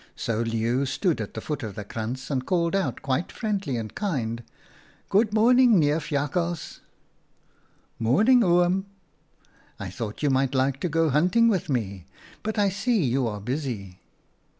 " So Leeuw stood at the foot of the krantz and called out quite friendly and kind, ' Good morning, Neef Jakhals.' "■ Morning, Oom.' "' I thought you might like to go hunting with me, but I see you are busy.'